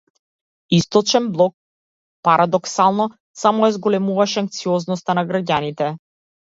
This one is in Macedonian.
Источен блок, парадоксално, само ја зголемуваше анксиозноста на граѓаните.